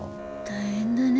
大変だね